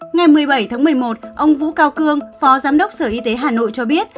ngày một mươi bảy tháng một mươi một ông vũ cao cương phó giám đốc sở y tế hà nội cho biết